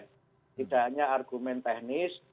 tidak hanya argumen teknis